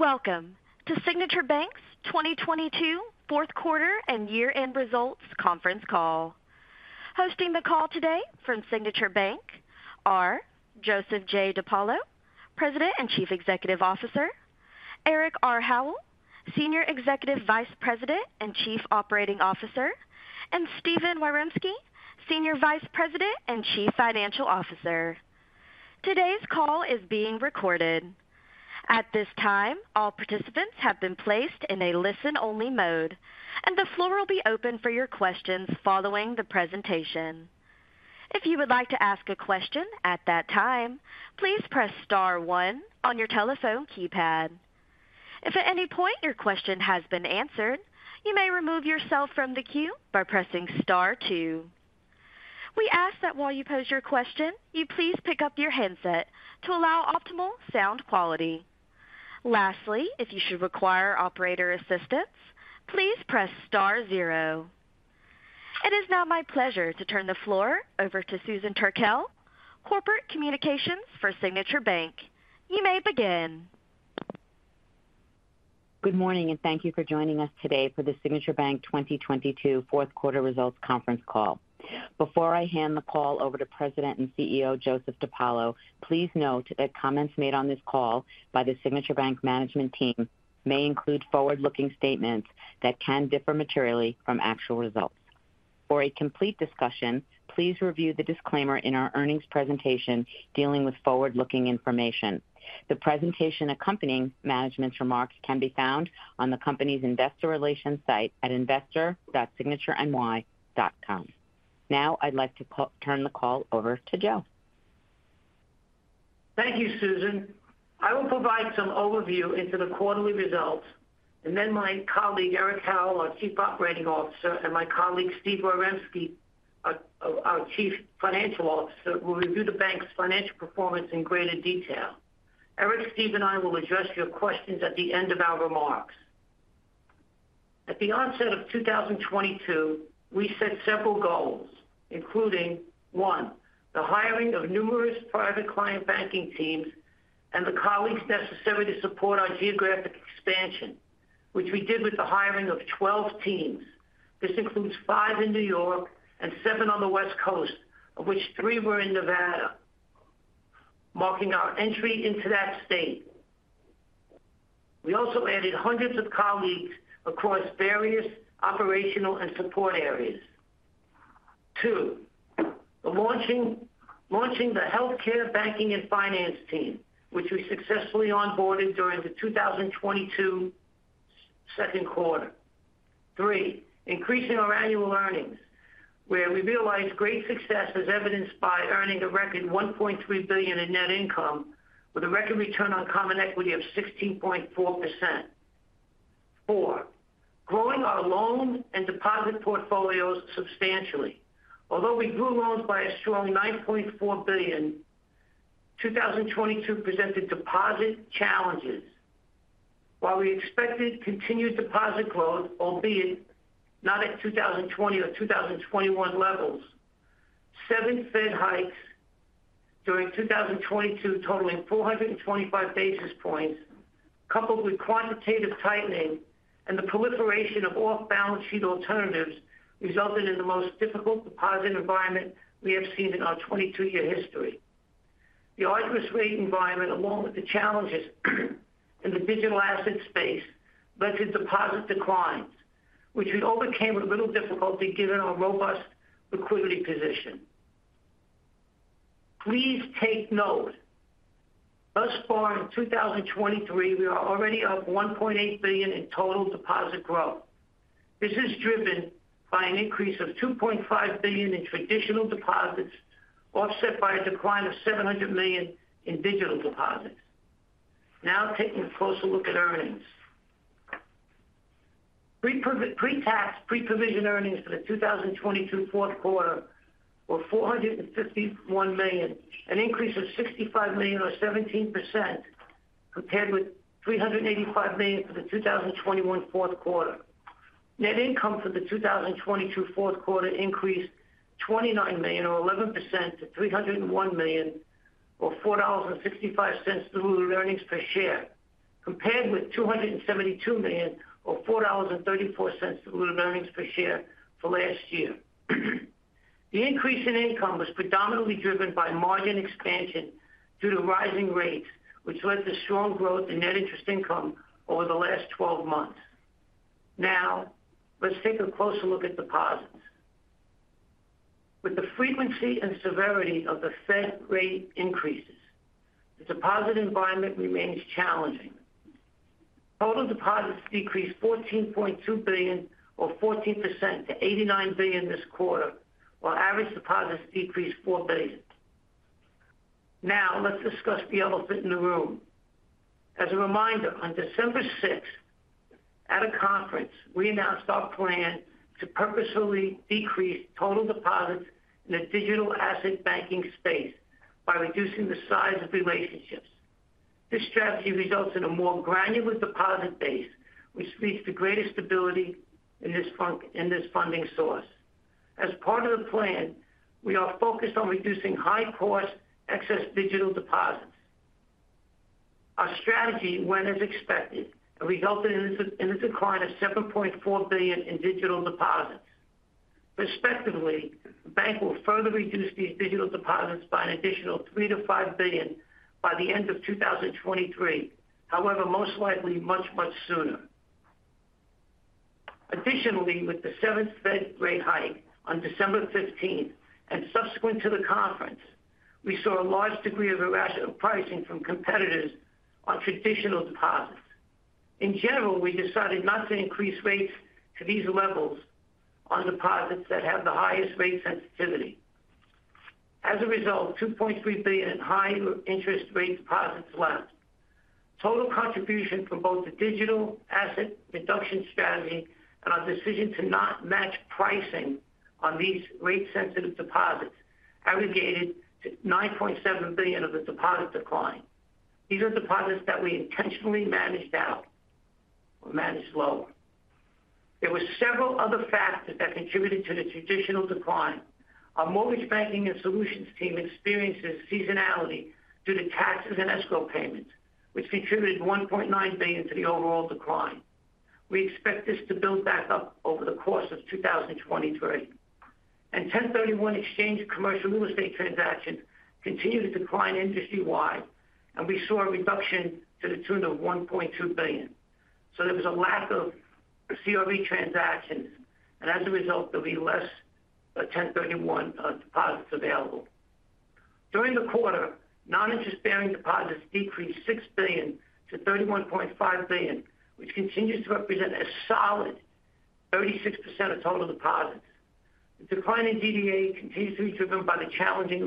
Welcome to Signature Bank's 2022 Q4 and Year-end Results Conference Call. Hosting the call today from Signature Bank are Joseph J. DePaolo, President and Chief Executive Officer, Eric R. Howell, Senior Executive Vice President and Chief Operating Officer, and Stephen Wyremski, Senior Vice President and Chief Financial Officer. Today's call is being recorded. At this time, all participants have been placed in a listen-only mode, and the floor will be open for your questions following the presentation. If you would like to ask a question at that time, please press star one on your telephone keypad. If at any point your question has been answered, you may remove yourself from the queue by pressing star two. We ask that while you pose your question, you please pick up your handset to allow optimal sound quality. Lastly, if you should require operator assistance, please press star zero. It is now my pleasure to turn the floor over to Susan Turkell, Corporate Communications for Signature Bank. You may begin. Good morning, thank you for joining us today for the Signature Bank 2022 Q4 Results Conference Call. Before I hand the call over to President and CEO, Joseph DePaolo, please note that comments made on this call by the Signature Bank management team may include forward-looking statements that can differ materially from actual results. For a complete discussion, please review the disclaimer in our earnings presentation dealing with forward-looking information. The presentation accompanying management's remarks can be found on the company's investor relations site at investor.signatureny.com. I'd like to turn the call over to Joe. Thank you, Susan. I will provide some overview into the quarterly results, and then my colleague, Eric Howell, our Chief Operating Officer, and my colleague Steve Wyremski, our Chief Financial Officer, will review the bank's financial performance in greater detail. Eric, Steve, and I will address your questions at the end of our remarks. At the onset of 2022, we set several goals, including, one, the hiring of numerous private client banking teams and the colleagues necessary to support our geographic expansion, which we did with the hiring of 12 teams. This includes five in New York and seven on the West Coast, of which three were in Nevada, marking our entry into that state. We also added hundreds of colleagues across various operational and support areas. Two, the launching the Healthcare Banking and Finance team, which we successfully onboarded during the 2022 Q2. Three, increasing our annual earnings, where we realized great success as evidenced by earning a record $1.3 billion in net income with a record return on common equity of 16.4%. Four, growing our loan and deposit portfolios substantially. Although we grew loans by a strong $9.4 billion, 2022 presented deposit challenges. While we expected continued deposit growth, albeit not at 2020 or 2021 levels, seven Fed hikes during 2022 totaling 425 basis points, coupled with quantitative tightening and the proliferation of off-balance-sheet alternatives, resulted in the most difficult deposit environment we have seen in our 22-year history. The arduous rate environment, along with the challenges in the digital asset space, led to deposit declines, which we overcame with little difficulty given our robust liquidity position. Please take note. Thus far in 2023, we are already up $1.8 billion in total deposit growth. This is driven by an increase of $2.5 billion in traditional deposits, offset by a decline of $700 million in digital deposits. Taking a closer look at earnings. Pre-tax pre-provision earnings for the 2022 Q4 were $451 million, an increase of $65 million or 17% compared with $385 million for the 2021 Q4. Net income for the 2022 Q4 increased $29 million or 11% to $301 million or $4.65 diluted earnings per share, compared with $272 million or $4.34 diluted earnings per share for last year. The increase in income was predominantly driven by margin expansion due to rising rates, which led to strong growth in net interest income over the last 12 months. Let's take a closer look at deposits. With the frequency and severity of the Fed rate increases, the deposit environment remains challenging. Total deposits decreased $14.2 billion or 14% to $89 billion this quarter, while average deposits decreased $4 billion. Let's discuss the elephant in the room. As a reminder, on December 6, at a conference, we announced our plan to purposefully decrease total deposits in the digital asset banking space by reducing the size of relationships. This strategy results in a more granular deposit base, which leads to greater stability in this funding source. As part of the plan, we are focused on reducing high cost excess digital deposits. Our strategy went as expected and resulted in this decline of $7.4 billion in digital deposits. Respectively, the bank will further reduce these digital deposits by an additional $3 billion-$5 billion by the end of 2023. Most likely much, much sooner. With the seven Fed rate hike on December 15 and subsequent to the conference, we saw a large degree of irrational pricing from competitors on traditional deposits. In general, we decided not to increase rates to these levels on deposits that have the highest rate sensitivity. As a result, $2.3 billion in high interest rate deposits left. Total contribution from both the digital asset reduction strategy and our decision to not match pricing on these rate-sensitive deposits aggregated to $9.7 billion of the deposit decline. These are deposits that we intentionally managed out or managed lower. There were several other factors that contributed to the traditional decline. Our mortgage banking and solutions team experiences seasonality due to taxes and escrow payments, which contributed $1.9 billion to the overall decline. We expect this to build back up over the course of 2023. 1031 exchange commercial real estate transactions continue to decline industry-wide, and we saw a reduction to the tune of $1.2 billion. There was a lack of CRE transactions and as a result, there'll be less 1031 exchange deposits available. During the quarter, non-interest-bearing deposits decreased $6 billion to $31.5 billion, which continues to represent a solid 36% of total deposits. The decline in DDA continues to be driven by the challenging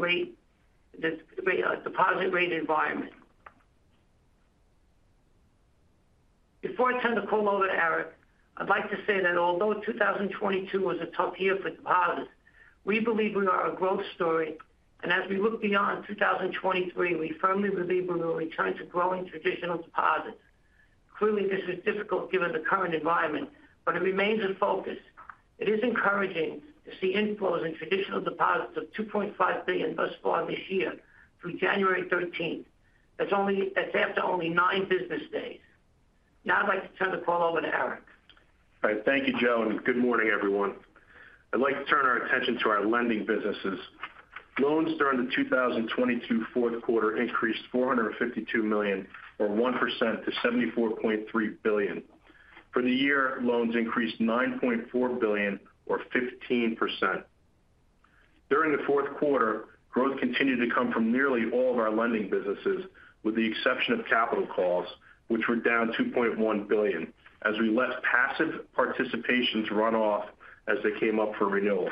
deposit rate environment. Before I turn the call over to Eric, I'd like to say that although 2022 was a tough year for deposits, we believe we are a growth story. As we look beyond 2023, we firmly believe we will return to growing traditional deposits. Clearly, this is difficult given the current environment, but it remains in focus. It is encouraging to see inflows in traditional deposits of $2.5 billion thus far this year through January 13th. That's after only nine business days. Now I'd like to turn the call over to Eric. All right. Thank you, Joe, and good morning, everyone. I'd like to turn our attention to our lending businesses. Loans during the 2022 Q4 increased $452 million or 1% to $74.3 billion. For the year, loans increased $9.4 billion or 15%. During the Q4, growth continued to come from nearly all of our lending businesses, with the exception of capital calls, which were down $2.1 billion as we let passive participations run off as they came up for renewal.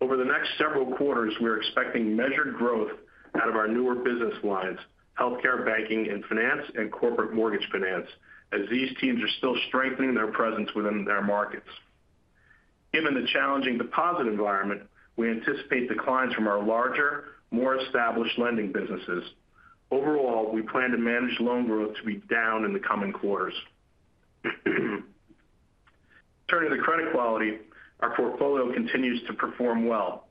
Over the next several quarters, we're expecting measured growth out of our newer business lines, Healthcare Banking and Finance and Corporate Mortgage Finance, as these teams are still strengthening their presence within their markets. Given the challenging deposit environment, we anticipate declines from our larger, more established lending businesses. Overall, we plan to manage loan growth to be down in the coming quarters. Turning to credit quality, our portfolio continues to perform well.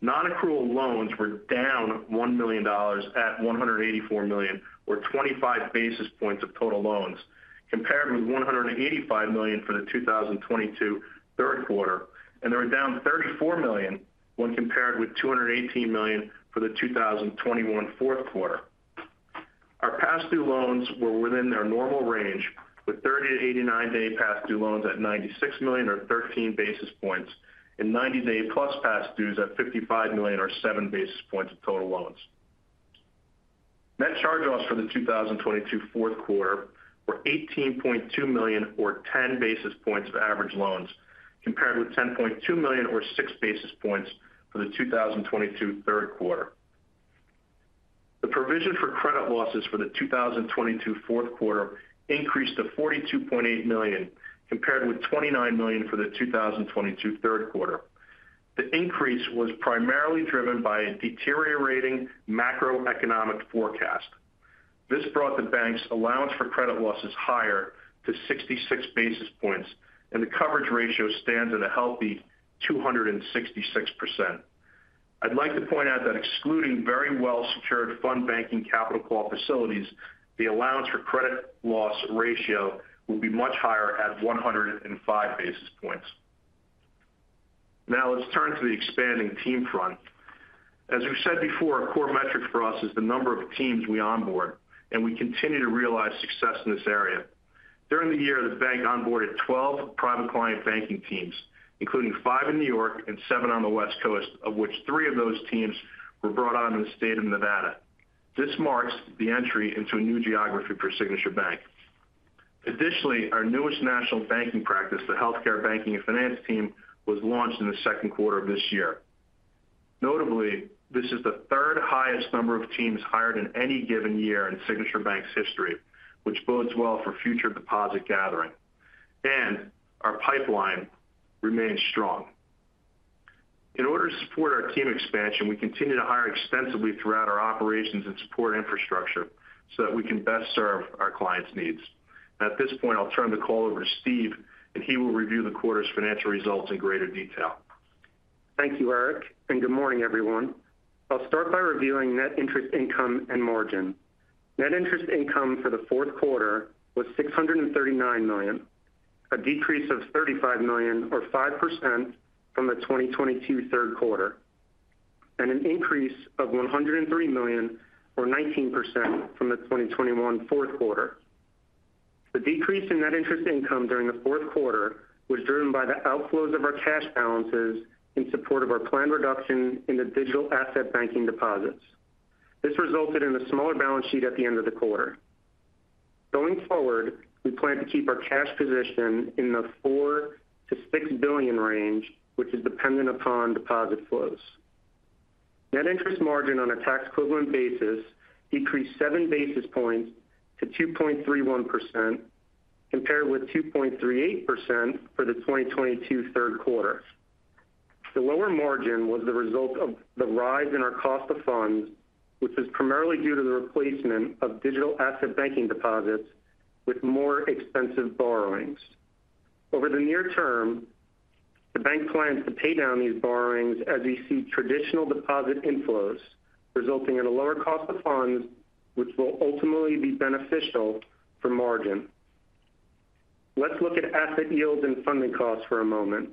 Non-accrual loans were down $1 million at $184 million or 25 basis points of total loans, compared with $185 million for the 2022 Q3. They were down $34 million when compared with $218 million for the 2021 Q4. Our past due loans were within their normal range, with 30 to 89-day past due loans at $96 million or 13 basis points and 90-day-plus past dues at $55 million or 7 basis points of total loans. Net charge-offs for the 2022 Q4 were $18.2 million or 10 basis points of average loans, compared with $10.2 million or 6 basis points for the 2022 Q3. The provision for credit losses for the 2022 Q4 increased to $42.8 million, compared with $29 million for the 2022 Q3. The increase was primarily driven by a deteriorating macroeconomic forecast. This brought the bank's allowance for credit losses higher to 66 basis points, and the coverage ratio stands at a healthy 266%. I'd like to point out that excluding very well-secured fund banking capital call facilities, the allowance for credit losses ratio will be much higher at 105 basis points. Let's turn to the expanding team front. As we've said before, a core metric for us is the number of teams we onboard, and we continue to realize success in this area. During the year, the bank onboarded 12 private client banking teams, including five in New York and seven on the West Coast, of which three of those teams were brought on in the state of Nevada. This marks the entry into a new geography for Signature Bank. Additionally, our newest national banking practice, the Healthcare Banking and Finance team, was launched in the Q2 of this year. Notably, this is the third highest number of teams hired in any given year in Signature Bank's history, which bodes well for future deposit gathering. Our pipeline remains strong. In order to support our team expansion, we continue to hire extensively throughout our operations and support infrastructure so that we can best serve our clients' needs. At this point, I'll turn the call over to Steve, and he will review the quarter's financial results in greater detail. Thank you, Eric. Good morning, everyone. I'll start by reviewing net interest income and margin. Net interest income for the Q4 was $639 million, a decrease of $35 million or 5% from the 2022 Q3, and an increase of $103 million or 19% from the 2021 Q4. The decrease in net interest income during the Q4 was driven by the outflows of our cash balances in support of our planned reduction in the digital asset banking deposits. This resulted in a smaller balance sheet at the end of the quarter. Going forward, we plan to keep our cash position in the $4 billion-$6 billion range, which is dependent upon deposit flows. Net interest margin on a tax equivalent basis decreased 7 basis points to 2.31% compared with 2.38% for the 2022 Q3. The lower margin was the result of the rise in our cost of funds, which is primarily due to the replacement of digital asset banking deposits with more expensive borrowings. Over the near term, the bank plans to pay down these borrowings as we see traditional deposit inflows resulting in a lower cost of funds, which will ultimately be beneficial for margin. Let's look at asset yields and funding costs for a moment.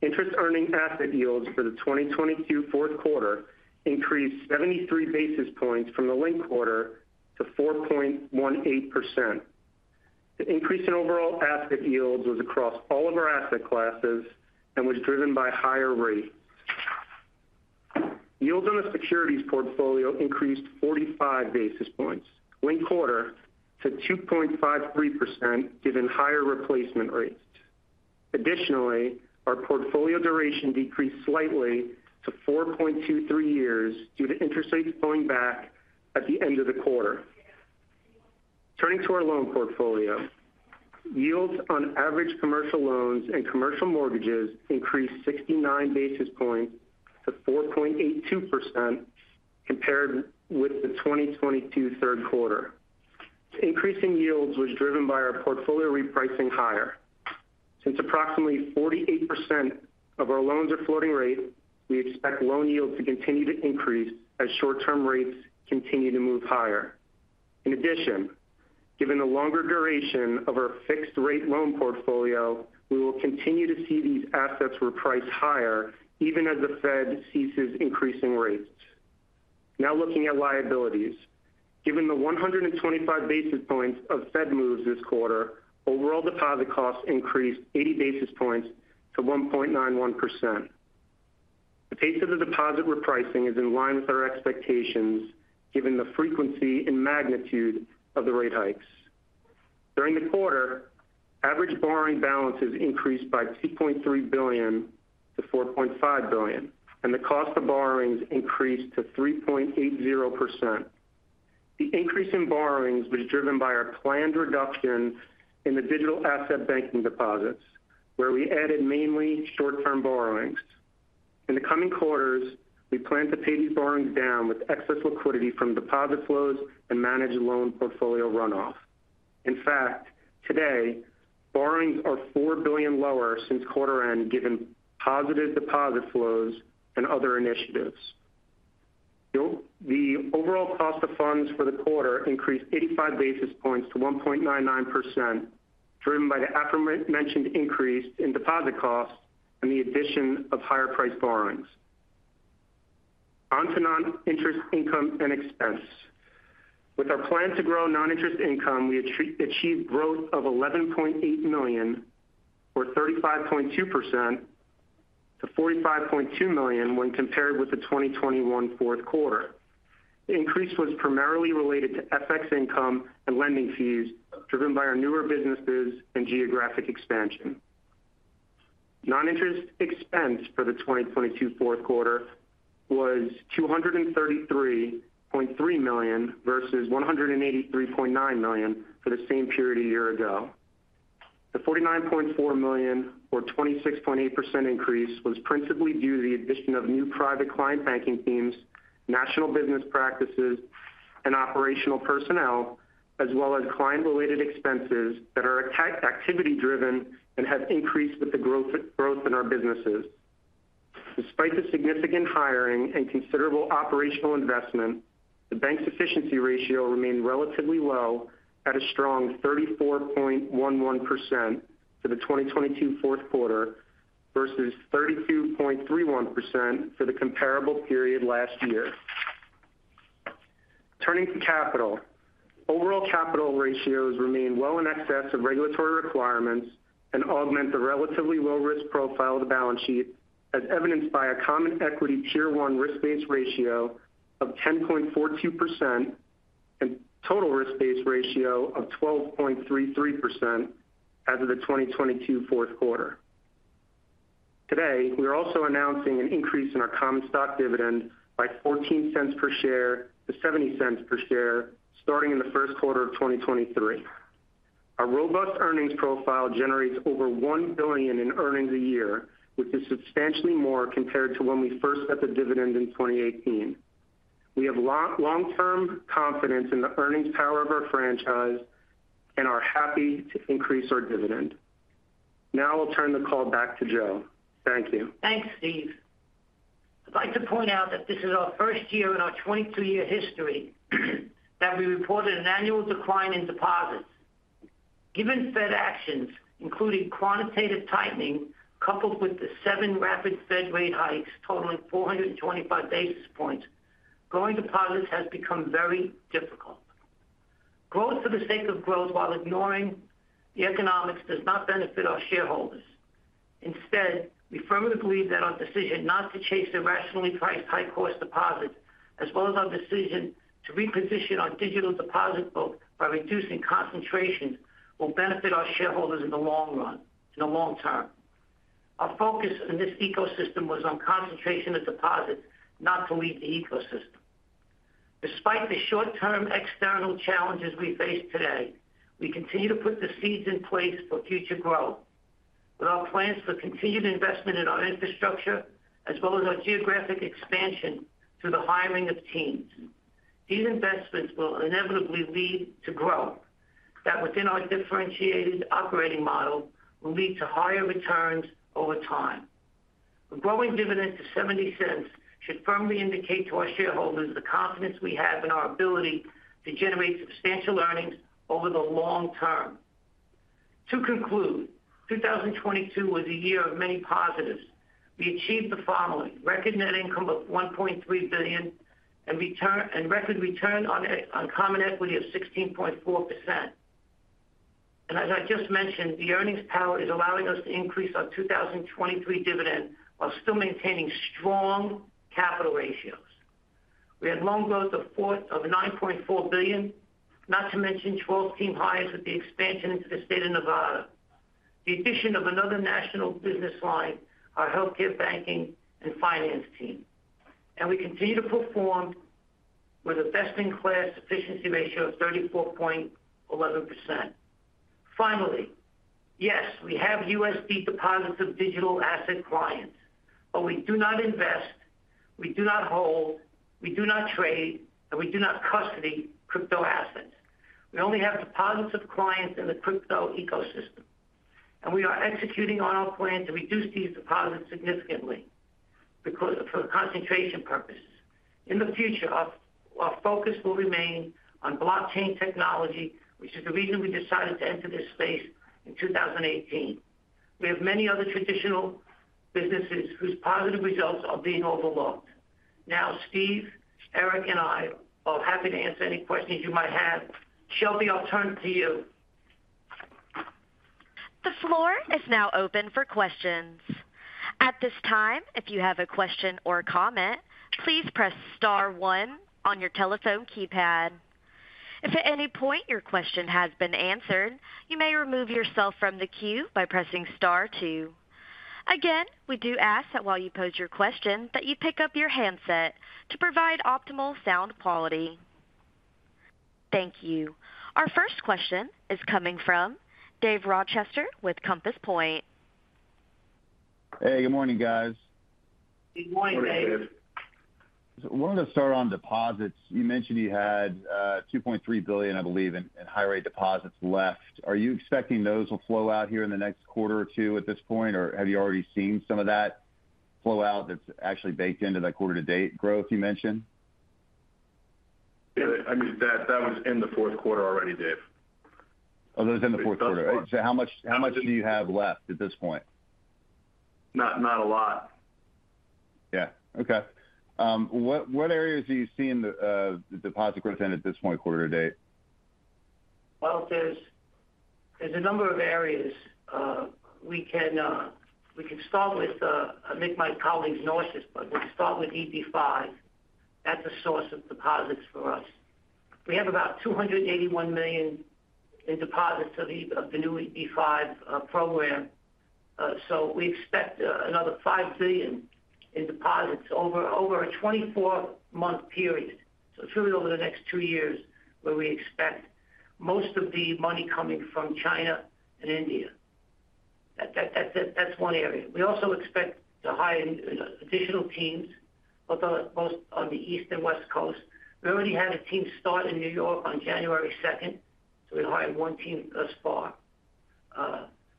Interest earning asset yields for the 2022 Q4 increased 73 basis points from the linked quarter to 4.18%. The increase in overall asset yields was across all of our asset classes and was driven by higher rates. Yields on the securities portfolio increased 45 basis points linked quarter to 2.53% given higher replacement rates. Additionally, our portfolio duration decreased slightly to 4.23 years due to interest rates going back at the end of the quarter. Turning to our loan portfolio. Yields on average commercial loans and commercial mortgages increased 69 basis points to 4.82% compared with the 2022 Q3. This increase in yields was driven by our portfolio repricing higher. Since approximately 48% of our loans are floating rate, we expect loan yields to continue to increase as short-term rates continue to move higher. In addition, given the longer duration of our fixed rate loan portfolio, we will continue to see these assets reprice higher even as the Fed ceases increasing rates. Now looking at liabilities. Given the 125 basis points of Fed moves this quarter, overall deposit costs increased 80 basis points to 1.91%. The pace of the deposit repricing is in line with our expectations given the frequency and magnitude of the rate hikes. During the quarter, average borrowing balances increased by $2.3 billion to $4.5 billion, and the cost of borrowings increased to 3.80%. The increase in borrowings was driven by our planned reductions in the digital asset banking deposits, where we added mainly short-term borrowings. In the coming quarters, we plan to pay these borrowings down with excess liquidity from deposit flows and manage loan portfolio runoff. In fact, today, borrowings are $4 billion lower since quarter end, given positive deposit flows and other initiatives. The overall cost of funds for the quarter increased 85 basis points to 1.99%, driven by the aforementioned increase in deposit costs and the addition of higher price borrowings. On to non-interest income and expense. With our plan to grow non-interest income, we achieved growth of $11.8 million or 35.2% to $45.2 million when compared with the 2021 Q4. The increase was primarily related to FX income and lending fees driven by our newer businesses and geographic expansion. Non-interest expense for the 2022 Q4 was $233.3 million versus $183.9 million for the same period a year ago. The $49.4 million or 26.8% increase was principally due to the addition of new private client banking teams, national business practices and operational personnel, as well as client-related expenses that are activity driven and have increased with the growth in our businesses. Despite the significant hiring and considerable operational investment, the bank's efficiency ratio remained relatively low at a strong 34.11% for the 2022 Q4 versus 32.31% for the comparable period last year. Turning to capital. Overall capital ratios remain well in excess of regulatory requirements and augment the relatively low risk profile of the balance sheet, as evidenced by our common equity tier one risk-based ratio of 10.42% and total risk-based ratio of 12.33% as of the 2022 Q4. Today, we are also announcing an increase in our common stock dividend by $0.14 per share to $0.70 per share starting in the Q1 of 2023. Our robust earnings profile generates over $1 billion in earnings a year, which is substantially more compared to when we first set the dividend in 2018. We have long-term confidence in the earnings power of our franchise and are happy to increase our dividend. Now I'll turn the call back to Joe. Thank you. Thanks, Steve. I'd like to point out that this is our first year in our 22-year history that we reported an annual decline in deposits. Given Fed actions, including quantitative tightening, coupled with the seven rapid Fed rate hikes totaling 425 basis points, growing deposits has become very difficult. Growth for the sake of growth while ignoring the economics does not benefit our shareholders. Instead, we firmly believe that our decision not to chase the rationally priced high-cost deposits, as well as our decision to reposition our digital deposit book by reducing concentrations, will benefit our shareholders in the long run, in the long term. Our focus in this ecosystem was on concentration of deposits, not to leave the ecosystem. Despite the short-term external challenges we face today, we continue to put the seeds in place for future growth with our plans for continued investment in our infrastructure as well as our geographic expansion through the hiring of teams. These investments will inevitably lead to growth that within our differentiated operating model will lead to higher returns over time. A growing dividend to $0.70 should firmly indicate to our shareholders the confidence we have in our ability to generate substantial earnings over the long term. 2022 was a year of many positives. We achieved the following: record net income of $1.3 billion and record return on common equity of 16.4%. As I just mentioned, the earnings power is allowing us to increase our 2023 dividend while still maintaining strong capital ratios. We had loan growth of $9.4 billion, not to mention 12 team hires with the expansion into the state of Nevada. The addition of another national business line, our Healthcare Banking and Finance team. We continue to perform with a best-in-class efficiency ratio of 34.11%. Finally, yes, we have USD deposits of digital asset clients, but we do not invest, we do not hold, we do not trade, and we do not custody crypto assets. We only have deposits of clients in the crypto ecosystem, and we are executing on our plan to reduce these deposits significantly for concentration purposes. In the future, our focus will remain on blockchain technology, which is the reason we decided to enter this space in 2018. We have many other traditional businesses whose positive results are being overlooked. Now, Steve, Eric, and I are happy to answer any questions you might have. Shelby, I'll turn it to you. The floor is now open for questions. At this time, if you have a question or a comment, please press star one on your telephone keypad. If at any point your question has been answered, you may remove yourself from the queue by pressing star two. Again, we do ask that while you pose your question that you pick up your handset to provide optimal sound quality. Thank you. Our first question is coming from David Rochester with Compass Point. Hey, good morning, guys. Good morning, Dave. Good morning, Dave. I wanted to start on deposits. You mentioned you had, $2.3 billion, I believe, in high-rate deposits left. Are you expecting those will flow out here in the next quarter or two at this point, or have you already seen some of that flow out that's actually baked into that quarter to date growth you mentioned? Yeah. I mean, that was in the Q4 already, Dave. Oh, that was in the Q4. The Q4. How much do you have left at this point? Not a lot. Yeah. Okay. What areas are you seeing the deposit growth in at this point quarter to date? Well, there's a number of areas. We can, we can start with, I'll make my colleagues nauseous, but we'll start with EB-5. That's a source of deposits for us. We have about $281 million in deposits of the new EB-5 program. We expect another $5 billion in deposits over a 24-month period. It's really over the next two years where we expect most of the money coming from China and India. That's one area. We also expect to hire additional teams, both on the East and West Coast. We already had a team start in New York on January 2nd, so we hired one team thus far.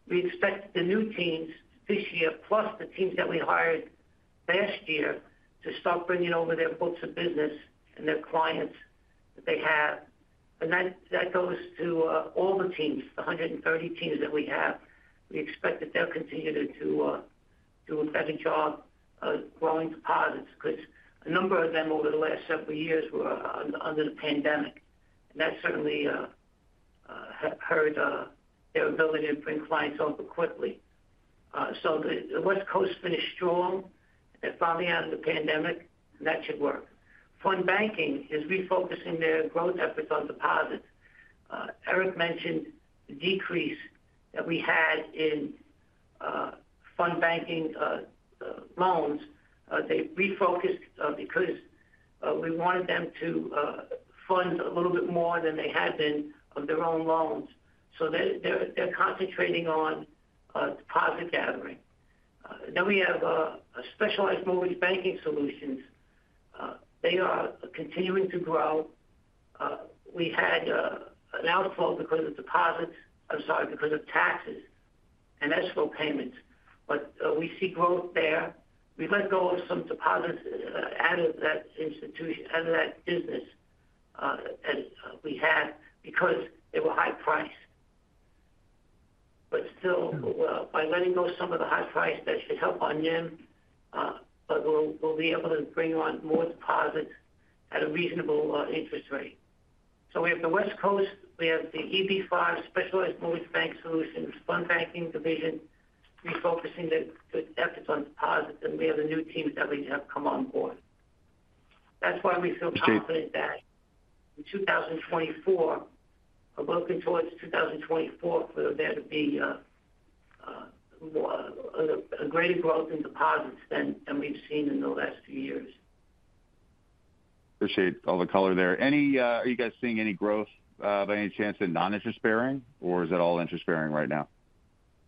We expect the new teams this year, plus the teams that we hired last year, to start bringing over their books of business and their clients that they have. That goes to all the teams, the 130 teams that we have. We expect that they'll continue to do a better job of growing deposits because a number of them over the last several years were under the pandemic. That certainly hurt their ability to bring clients over quickly. The West Coast finished strong. They're finally out of the pandemic. That should work. Fund banking is refocusing their growth efforts on deposits. Eric mentioned the decrease that we had in fund banking loans. They refocused because we wanted them to fund a little bit more than they had been of their own loans. They're concentrating on deposit gathering. We have a specialized mortgage banking solutions. They are continuing to grow. We had an outflow because of deposits, I'm sorry, because of taxes and escrow payments, but we see growth there. We let go of some deposits out of that institution, out of that business, as we had because they were high price. Still, by letting go some of the high price, that should help on NIM. We'll be able to bring on more deposits at a reasonable interest rate. We have the West Coast. We have the EB-5 specialized mortgage banking solutions, fund banking division refocusing the efforts on deposits. We have the new teams that we have come on board. That's why we feel confident that in 2024, are working towards 2024 for there to be more, a greater growth in deposits than we've seen in the last few years. Appreciate all the color there. Any, are you guys seeing any growth, by any chance in non-interest bearing, or is it all interest bearing right now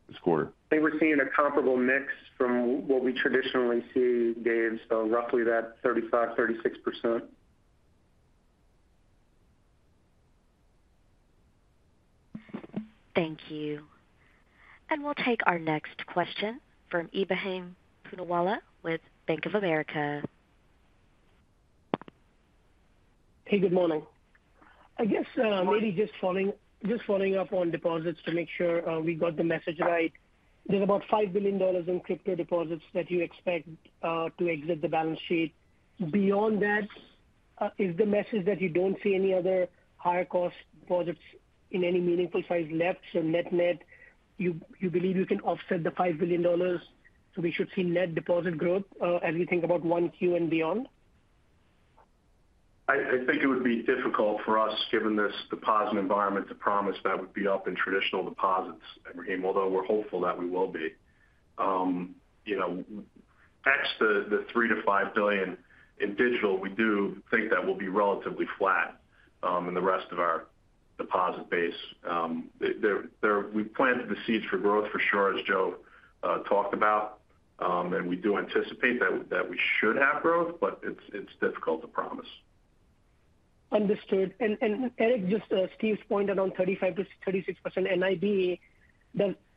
this quarter? I think we're seeing a comparable mix from what we traditionally see, Dave. Roughly that 35%-36%. Thank you. We'll take our next question from Ebrahim Poonawala with Bank of America. Hey, good morning. I guess, maybe just following up on deposits to make sure we got the message right. There's about $5 billion in crypto deposits that you expect to exit the balance sheet. Beyond that, is the message that you don't see any other higher cost deposits in any meaningful size left. Net-net, you believe you can offset the $5 billion, we should see net deposit growth as we think about 1Q and beyond? I think it would be difficult for us, given this deposit environment, to promise that would be up in traditional deposits, Ebrahim, although we're hopeful that we will be. You know, ex the $3 billion-$5 billion in digital, we do think that we'll be relatively flat in the rest of our deposit base. We planted the seeds for growth for sure, as Joe talked about. We do anticipate that we should have growth, but it's difficult to promise. Understood. Eric, just Steve's point around 35%-36% NIB,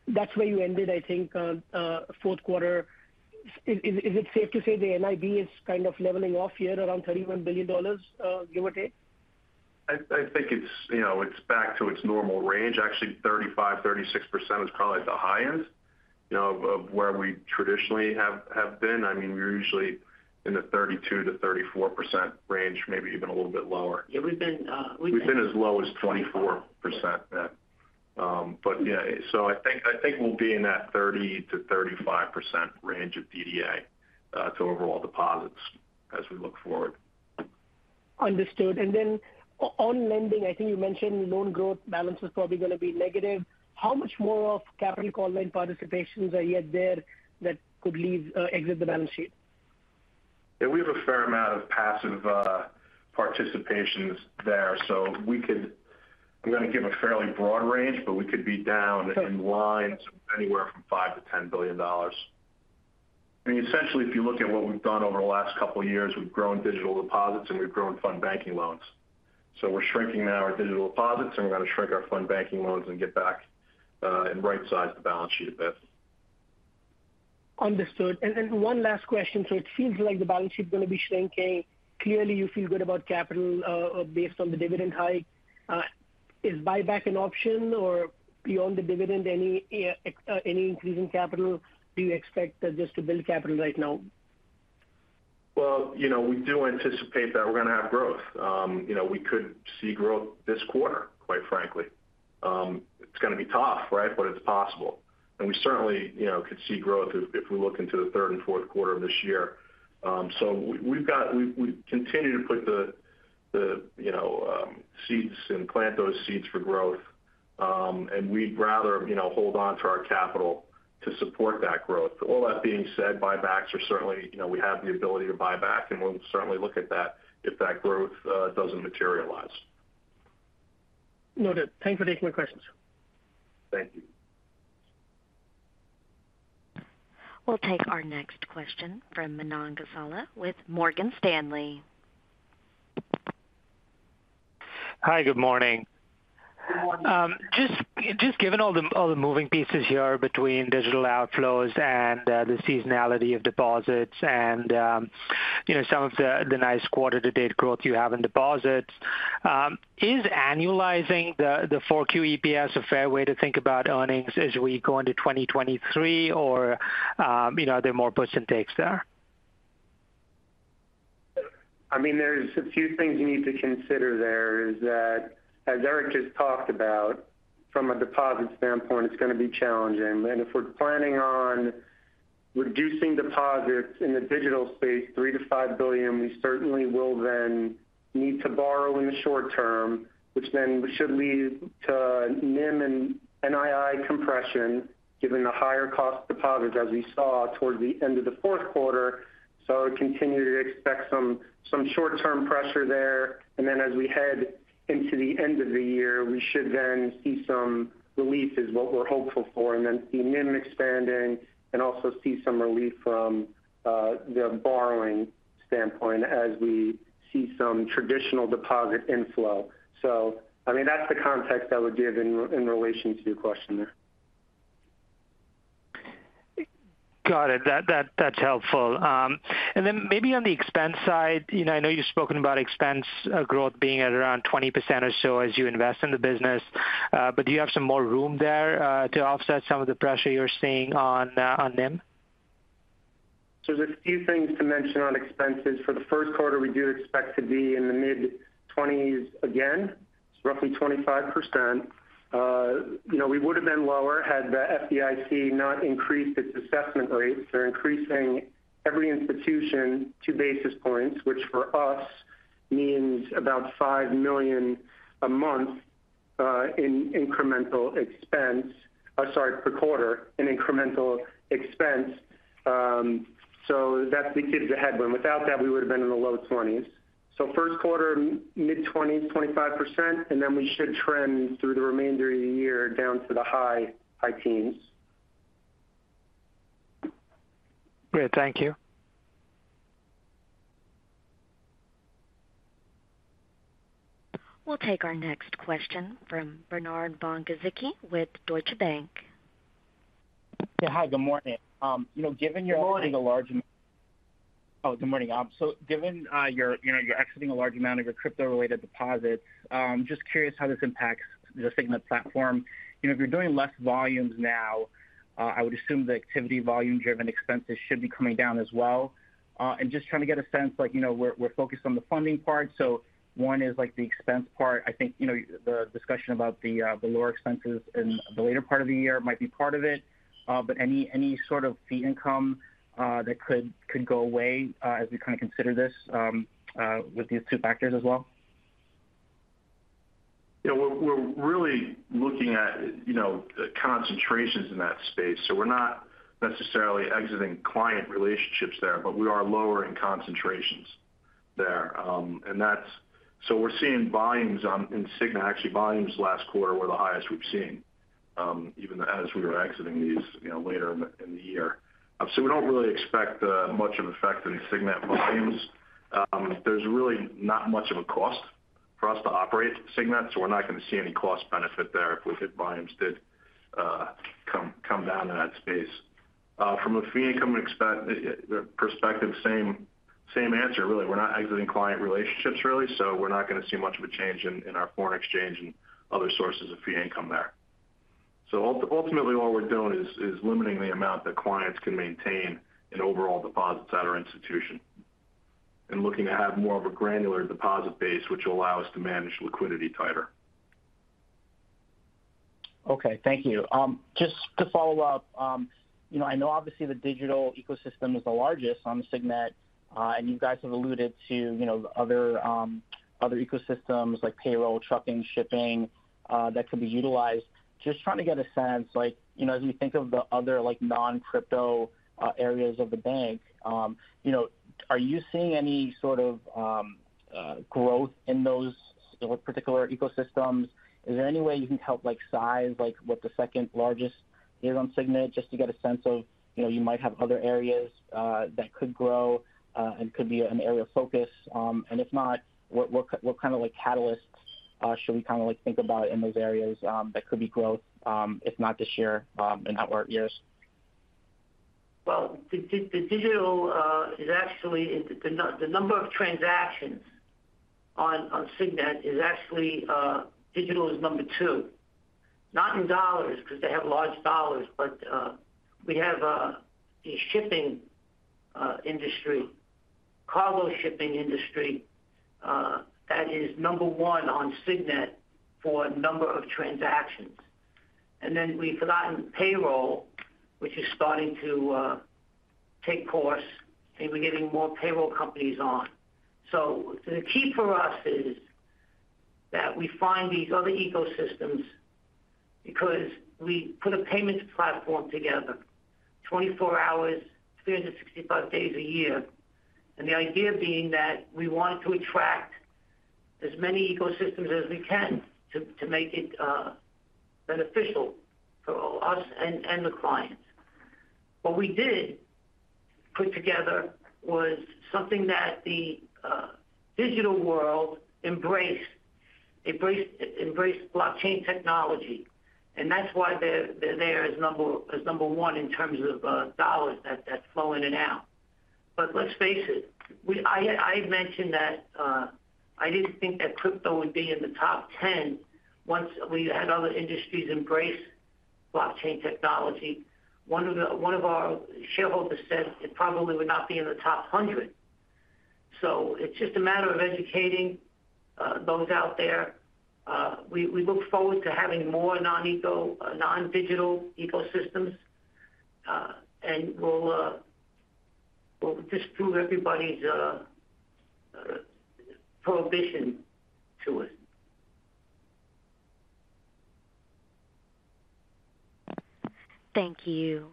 that's where you ended, I think, on Q4. Is it safe to say the NIB is kind of leveling off here around $31 billion, give or take? I think it's, you know, it's back to its normal range. Actually, 35%-36% is probably at the high end, you know, of where we traditionally have been. I mean, we're usually in the 32%-34% range, maybe even a little bit lower. Yeah, we've been. We've been as low as 24%. Yeah. I think we'll be in that 30%-35% range of DDA to overall deposits as we look forward. Understood. Then on lending, I think you mentioned loan growth balance is probably going to be negative. How much more of capital call loan participations are yet there that could leave, exit the balance sheet? We have a fair amount of passive participations there. I'm going to give a fairly broad range, but we could be down in lines anywhere from $5 billion-$10 billion. If you look at what we've done over the last couple of years, we've grown digital deposits and we've grown fund banking loans. We're shrinking now our digital deposits, and we're going to shrink our fund banking loans and get back and rightsize the balance sheet a bit. Understood. One last question. It feels like the balance sheet is going to be shrinking. Clearly, you feel good about capital, based on the dividend hike. Is buyback an option or beyond the dividend, any increase in capital? Do you expect just to build capital right now? Well, you know, we do anticipate that we're going to have growth. You know, we could see growth this quarter, quite frankly. It's going to be tough, right? It's possible. We certainly, you know, could see growth if we look into the Q3 and Q4 of this year. We've continued to put the, you know, seeds and plant those seeds for growth. We'd rather, you know, hold on to our capital to support that growth. All that being said, buybacks are certainly, you know, we have the ability to buy back, and we'll certainly look at that if that growth doesn't materialize. Noted. Thank you for taking my questions. Thank you. We'll take our next question from Manan Gosalia with Morgan Stanley. Hi, good morning. Good morning. Just given all the moving pieces here between digital outflows and the seasonality of deposits and some of the nice quarter to date growth you have in deposits. Is annualizing the 4Q EPS a fair way to think about earnings as we go into 2023 or are there more push and takes there? I mean, there's a few things you need to consider there is that, as Eric just talked about from a deposit standpoint, it's going to be challenging. And if we're planning on. Reducing deposits in the digital space $3 billion-$5 billion, we certainly will then need to borrow in the short term, which then should lead to NIM and NII compression, given the higher cost deposits as we saw towards the end of the Q4. Continue to expect some short-term pressure there. As we head into the end of the year, we should then see some relief is what we're hopeful for, and then see NIM expanding and also see some relief from the borrowing standpoint as we see some traditional deposit inflow. I mean, that's the context I would give in relation to your question there. Got it. That's helpful. Maybe on the expense side, you know, I know you've spoken about expense growth being at around 20% or so as you invest in the business, do you have some more room there to offset some of the pressure you're seeing on on NIM? There's a few things to mention on expenses. For the Q1, we do expect to be in the mid-20s again. It's roughly 25%. You know, we would have been lower had the FDIC not increased its assessment rates. They're increasing every institution 2 basis points, which for us means about $5 million a month in incremental expense. Sorry, per quarter in incremental expense. That's, it gives a headwind. Without that, we would have been in the low 20s. Q1, mid-20s, 25%, and then we should trend through the remainder of the year down to the high teens. Great. Thank you. We'll take our next question from Bernard von Gizycki with Deutsche Bank. Yeah. Hi, good morning. you know, Good morning. Good morning. Given, you know, you're exiting a large amount of your crypto-related deposits, just curious how this impacts the Signet platform. You know, if you're doing less volumes now, I would assume the activity volume-driven expenses should be coming down as well. Just trying to get a sense like, you know, we're focused on the funding part. One is like the expense part. I think, you know, the discussion about the lower expenses in the later part of the year might be part of it. Any sort of fee income that could go away as we kind of consider this with these two factors as well. We're, we're really looking at, you know, concentrations in that space. We're not necessarily exiting client relationships there, but we are lowering concentrations there. We're seeing volumes in Signet. Actually, volumes last quarter were the highest we've seen, even as we were exiting these, you know, later in the year. We don't really expect much of effect in Signet volumes. There's really not much of a cost for us to operate Signet, so we're not going to see any cost benefit there if we hit volumes that come down in that space. From a fee income perspective, same answer, really. We're not exiting client relationships really, so we're not going to see much of a change in our foreign exchange and other sources of fee income there. Ultimately, what we're doing is limiting the amount that clients can maintain in overall deposits at our institution and looking to have more of a granular deposit base, which will allow us to manage liquidity tighter. Okay. Thank you. Just to follow up, you know, I know obviously the digital ecosystem is the largest on Signet, and you guys have alluded to, you know, other ecosystems like payroll, trucking, shipping, that could be utilized. Just trying to get a sense like, you know, as you think of the other like non-crypto, areas of the bank, you know, are you seeing any sort of, growth in those or particular ecosystems? Is there any way you can help like size, like what the second-largest is on Signet, just to get a sense of, you know, you might have other areas, that could grow, and could be an area of focus. If not, what kind of like catalysts, should we kind of like think about in those areas, that could be growth, if not this year, in outward years? Well, the digital is actually the number of transactions on Signet is actually digital is number two. Not in dollars because they have large dollars, but we have the shipping industry, cargo shipping industry, that is number one on Signet for number of transactions. Then we've gotten payroll, which is starting to take course, and we're getting more payroll companies on. The key for us is that we find these other ecosystems because we put a payments platform together 24 hours, 365 days a year. The idea being that we want to attract as many ecosystems as we can to make it beneficial for us and the clients. What we did put together was something that the digital world embraced blockchain technology, and that's why they're there as number one in terms of dollars that flow in and out. But let's face it, I mentioned that I didn't think that crypto would be in the top 10 once we had other industries embrace blockchain technology. One of our shareholders said it probably would not be in the top 100. It's just a matter of educating, those out there. We look forward to having more non-eco-- non-digital ecosystems, and we'll just prove everybody's prohibition to it. Thank you.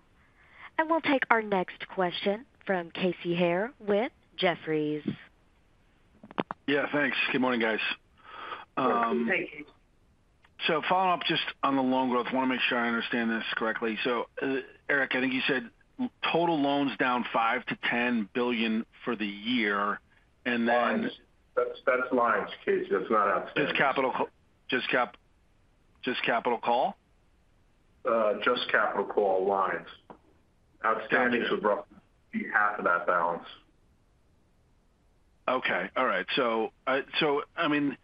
We'll take our next question from Casey Haire with Jefferies. Yeah, thanks. Good morning, guys. Good morning, Casey. Following up just on the loan growth, want to make sure I understand this correctly. Eric, I think you said total loans down $5 billion-$10 billion for the year. Lines. That's lines, Casey. That's not outstanding. Just capital call? Just capital call lines. Outstanding should roughly be half of that balance. All right. I mean,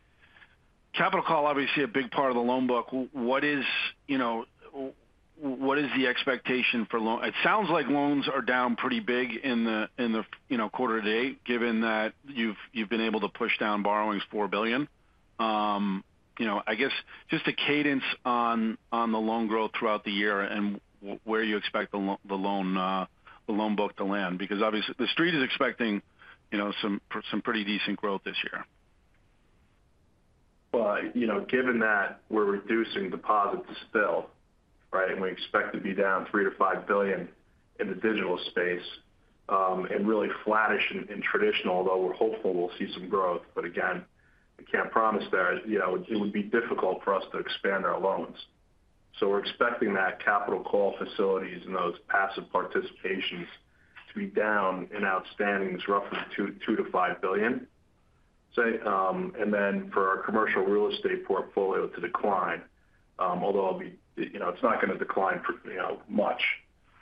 capital call obviously a big part of the loan book. What is, you know, what is the expectation for loan? It sounds like loans are down pretty big in the you know, quarter to date, given that you've been able to push down borrowings $4 billion. You know, I guess just a cadence on the loan growth throughout the year and where you expect the loan, the loan book to land. Because obviously the Street is expecting, you know, some pretty decent growth this year. You know, given that we're reducing deposits still, right? We expect to be down $3 billion-$5 billion in the digital space, and really flattish in traditional, although we're hopeful we'll see some growth. Again, we can't promise that. You know, it would be difficult for us to expand our loans. We're expecting that capital call facilities and those passive participations to be down in outstandings roughly $2 billion-$5 billion. Say, for our commercial real estate portfolio to decline, although it'll be, you know, it's not going to decline for, you know, much.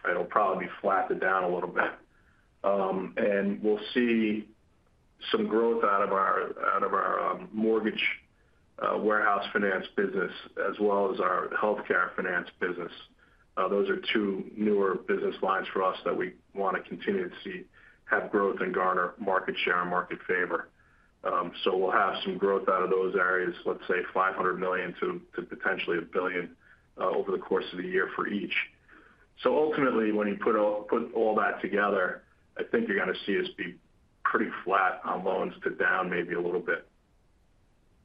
It'll probably be flattened down a little bit. We'll see some growth out of our, out of our mortgage warehouse finance business as well as our healthcare finance business. Those are two newer business lines for us that we want to continue to see have growth and garner market share and market favor. We'll have some growth out of those areas, let's say $500 million to potentially $1 billion over the course of the year for each. Ultimately, when you put all that together, I think you're going to see us be pretty flat on loans to down maybe a little bit.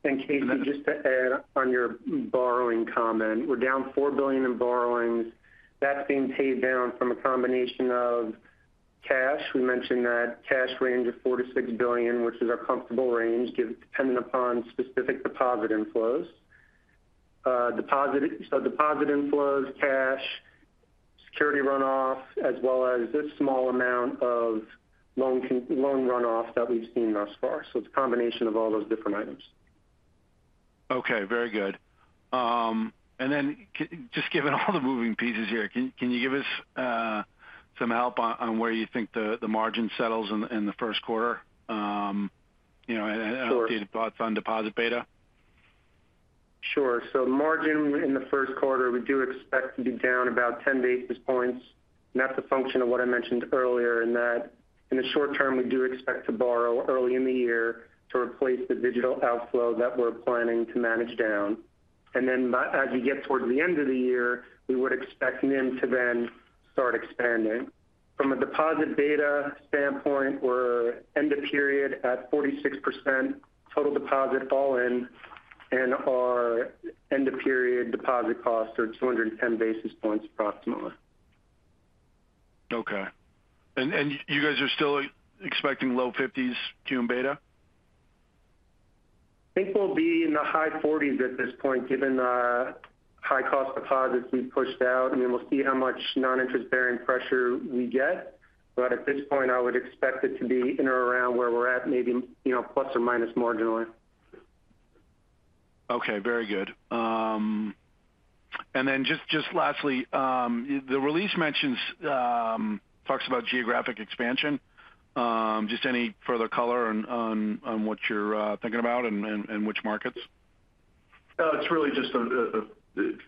Casey, just to add on your borrowing comment. We're down $4 billion in borrowings. That's being paid down from a combination of cash. We mentioned that cash range of $4 billion-$6 billion, which is our comfortable range, dependent upon specific deposit inflows. Deposit inflows, cash, security runoff, as well as a small amount of loan runoff that we've seen thus far. It's a combination of all those different items. Okay. Very good. Just given all the moving pieces here, can you give us some help on where you think the margin settles in the Q1? You know. Sure. Any updated thoughts on deposit beta? Sure. Margin in the Q1, we do expect to be down about 10 basis points. That's a function of what I mentioned earlier in that in the short term, we do expect to borrow early in the year to replace the digital outflow that we're planning to manage down. Then as we get toward the end of the year, we would expect then to then start expanding. From a deposit beta standpoint, we're end of period at 46% total deposit all in, and our end of period deposit costs are 210 basis points approximately. Okay. You guys are still expecting low 50s Q in beta? I think we'll be in the high forties at this point, given our high cost deposits we've pushed out. We'll see how much non-interest bearing pressure we get. At this point, I would expect it to be in or around where we're at, maybe, you know, ± marginally. Okay. Very good. Just lastly, the release mentions talks about geographic expansion. Just any further color on what you're thinking about and which markets? It's really just a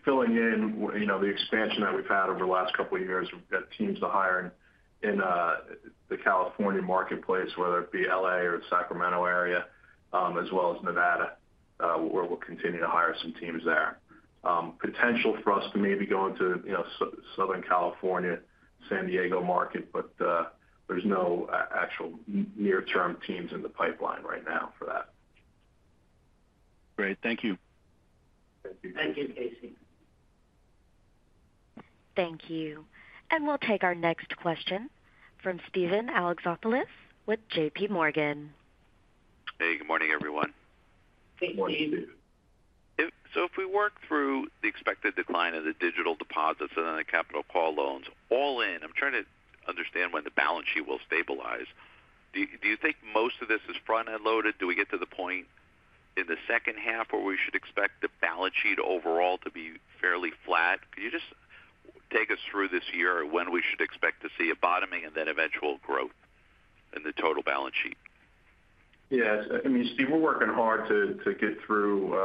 filling in, you know, the expansion that we've had over the last couple of years. We've got teams to hire in the California marketplace, whether it be L.A. or the Sacramento area, as well as Nevada, where we'll continue to hire some teams there. Potential for us to maybe go into, you know, Southern California, San Diego market, but there's no actual near-term teams in the pipeline right now for that. Great. Thank you. Thank you. Thank you, Casey. Thank you. We'll take our next question from Steven Alexopoulos with JPMorgan. Hey, good morning, everyone. Good morning, Steven. Morning. If we work through the expected decline of the digital deposits and then the capital call loans all in, I'm trying to understand when the balance sheet will stabilize. Do you think most of this is front-end loaded? Do we get to the point in the H2 where we should expect the balance sheet overall to be fairly flat? Can you just take us through this year when we should expect to see a bottoming and then eventual growth in the total balance sheet? Yes. I mean, Steve, we're working hard to get through.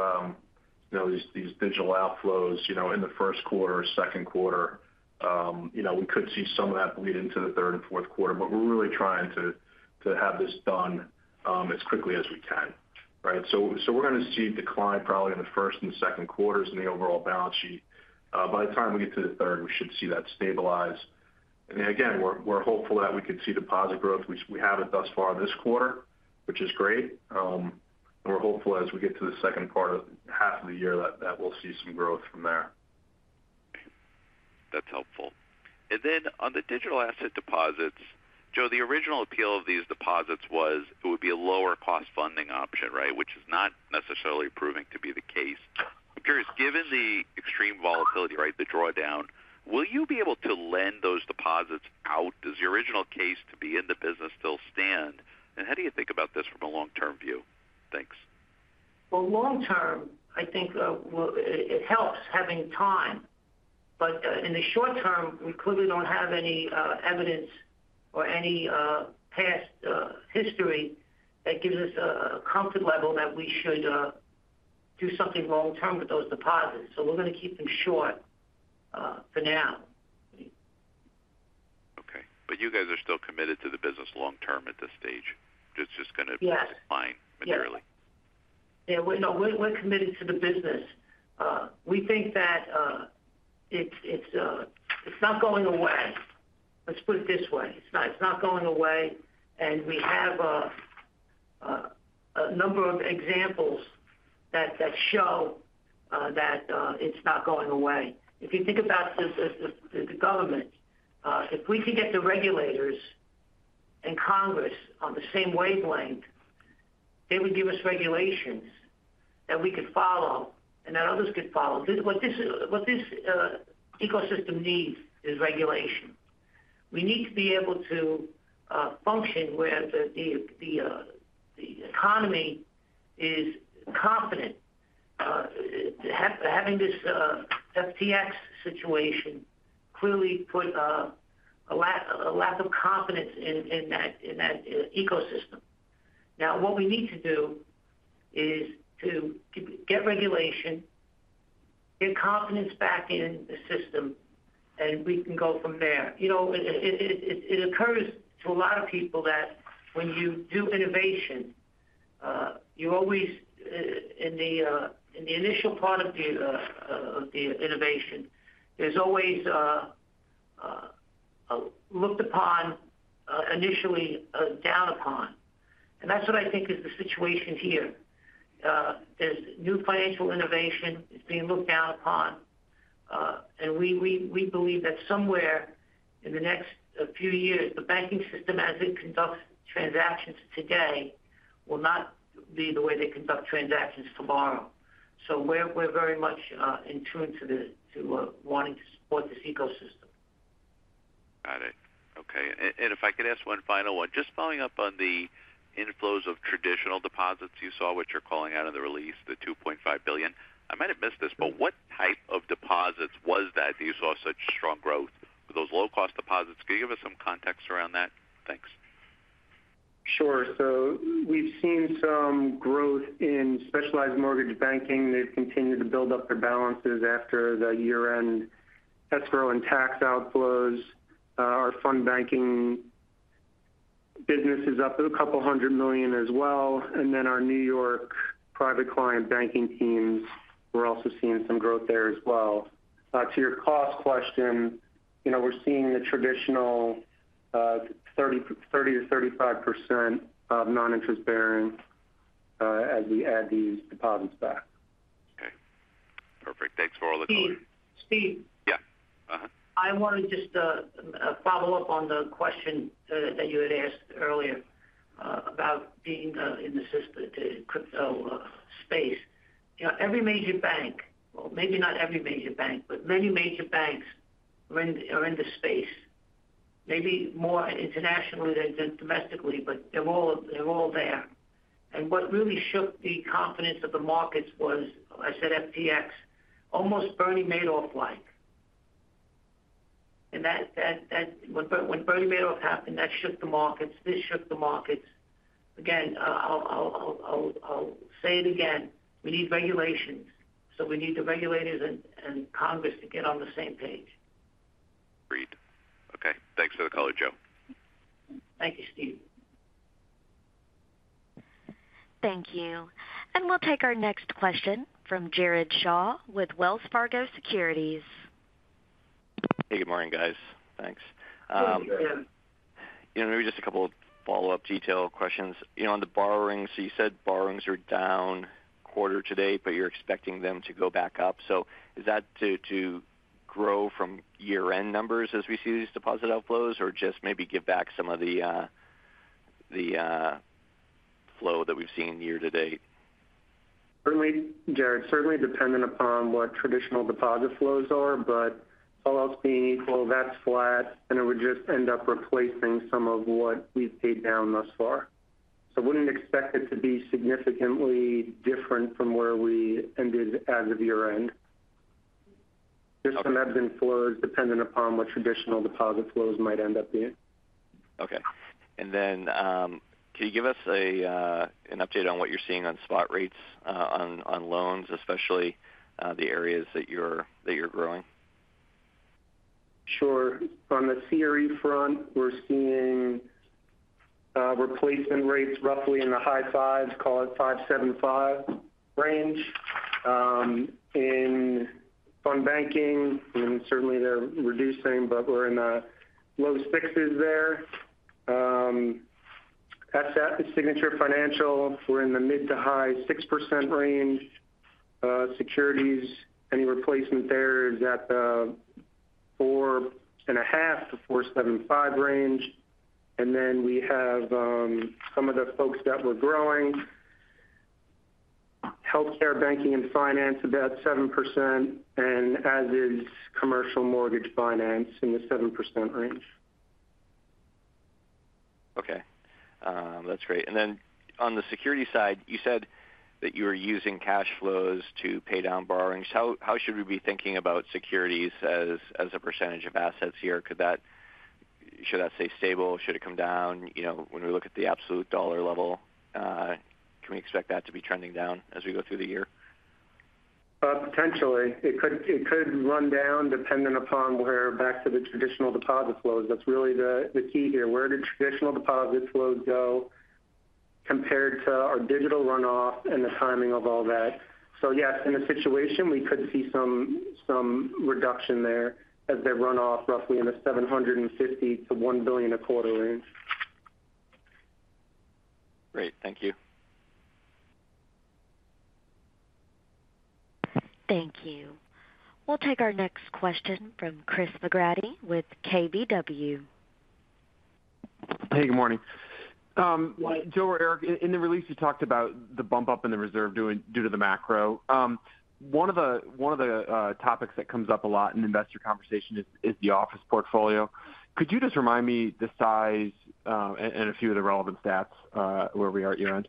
You know, these digital outflows, you know, in the Q1 or Q2, you know, we could see some of that bleed into the third and Q4, but we're really trying to have this done as quickly as we can, right? We're going to see decline probably in the Q1 and Q2s in the overall balance sheet. By the time we get to the third, we should see that stabilize. Again, we're hopeful that we could see deposit growth, which we haven't thus far this quarter, which is great. We're hopeful as we get to the H2 of the year that we'll see some growth from there. That's helpful. Then on the digital asset deposits, Joe, the original appeal of these deposits was it would be a lower cost funding option, right? Which is not necessarily proving to be the case. I'm curious, given the extreme volatility, right, the drawdown, will you be able to lend those deposits out? Does the original case to be in the business still stand? How do you think about this from a long-term view? Thanks. Long term, I think, well, it helps having time. In the short term, we clearly don't have any evidence or any past history that gives us a comfort level that we should do something long term with those deposits. We're going to keep them short for now. Okay. You guys are still committed to the business long term at this stage. It's just going to. Yes. -define materially. Yeah. No, we're committed to the business. We think that it's not going away. Let's put it this way. It's not going away. We have a number of examples that show that it's not going away. If you think about the government, if we could get the regulators and Congress on the same wavelength, they would give us regulations that we could follow and that others could follow. What this ecosystem needs is regulation. We need to be able to function where the economy is confident. Having this FTX situation clearly put a lack of confidence in that ecosystem. What we need to do is to get regulation, get confidence back in the system, and we can go from there. You know, it occurs to a lot of people that when you do innovation, you always, in the initial part of the innovation, there's always looked upon, initially down upon. That's what I think is the situation here. There's new financial innovation. It's being looked down upon. We believe that somewhere in the next few years, the banking system as it conducts transactions today will not be the way they conduct transactions tomorrow. We're very much in tune to wanting to support this ecosystem. Got it. Okay. If I could ask one final one, just following up on the inflows of traditional deposits you saw, which you're calling out in the release, the $2.5 billion. I might have missed this, but what type of deposits was that you saw such strong growth? Were those low-cost deposits? Can you give us some context around that? Thanks. Sure. We've seen some growth in specialized mortgage banking. They've continued to build up their balances after the year-end escrow and tax outflows. Our fund banking business is up $200 million as well. Our New York private client banking teams, we're also seeing some growth there as well. To your cost question, you know, we're seeing the traditional 30%-35% of non-interest bearing as we add these deposits back. Okay. Perfect. Thanks for all the color. Steve. Yeah. Uh-huh. I want to just follow up on the question that you had asked earlier about being in the crypto space. You know, every major bank, well, maybe not every major bank, but many major banks are in this space. Maybe more internationally than domestically, but they're all there. What really shook the confidence of the markets was, I said FTX, almost Bernie Madoff-like. That-- when Bernie Madoff happened, that shook the markets. This shook the markets. Again, I'll say it again, we need regulations. We need the regulators and Congress to get on the same page. Agreed. Okay. Thanks for the color, Joe. Thank you, Steve. Thank you. We'll take our next question from Jared Shaw with Wells Fargo Securities. Hey, good morning, guys. Thanks. Good morning. You know, maybe just a couple of follow-up detail questions. You know, on the borrowings, you said borrowings are down quarter to date, but you're expecting them to go back up. Is that to grow from year-end numbers as we see these deposit outflows, or just maybe give back some of the flow that we've seen year to date? Certainly, Jared. Certainly dependent upon what traditional deposit flows are, all else being equal, that's flat, and it would just end up replacing some of what we've paid down thus far. I wouldn't expect it to be significantly different from where we ended as of year-end. Just some ebb and flow is dependent upon what traditional deposit flows might end up being. Okay. Then, can you give us an update on what you're seeing on spot rates on loans, especially the areas that you're growing? Sure. From the CRE front, we're seeing replacement rates roughly in the high 5s, call it 5.75 range. In fund banking, I mean, certainly they're reducing, but we're in the low-6s there. Asset is Signature Financial. We're in the mid-to-high 6% range. Securities, any replacement there is at the 4.5%-4.75% range. We have some of the folks that we're growing, Healthcare Banking and Finance about 7%, and as is corporate mortgage finance in the 7% range. Okay. That's great. On the security side, you said that you were using cash flows to pay down borrowings. How should we be thinking about securities as a percentage of assets here? Should that stay stable? Should it come down, you know, when we look at the absolute dollar level, can we expect that to be trending down as we go through the year? Potentially. It could run down dependent upon where back to the traditional deposit flows. That's really the key here. Where do traditional deposit flows go compared to our digital runoff and the timing of all that? Yes, in a situation, we could see some reduction there as they run off roughly in the $750 million to $1 billion a quarter range. Great. Thank you. Thank you. We'll take our next question from Christopher McGratty with KBW. Hey, good morning. Yeah. Joe or Eric, in the release, you talked about the bump up in the reserve due to the macro. One of the topics that comes up a lot in investor conversation is the office portfolio. Could you just remind me the size, and a few of the relevant stats, where we are at year-end?